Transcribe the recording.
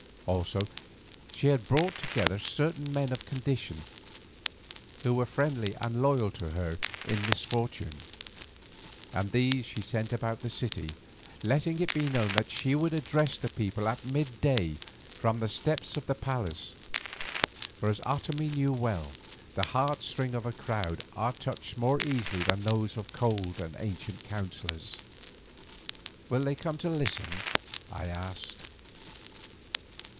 Also she had brought together certain men of condition who were friendly and loyal to her in misfortune, and these she sent about the city, letting it be known that she would address the people at mid day from the steps of the palace, for as Otomie knew well, the heartstrings of a crowd are touched more easily than those of cold and ancient counsellors. "Will they come to listen?" I asked.